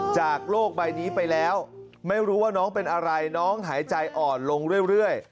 จากโลกใบนี้ไปแล้วไม่รู้ว่าน้องเป็นอะไรน้องหายใจอ่อนลงเรื่อย